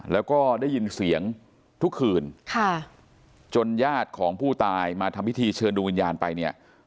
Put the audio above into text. แล้วก็ได้ยินเสียงทุกคืนจนญาติของผู้ตายมาทำพิธีเชิญดวงวิญญาณไปเนี่ย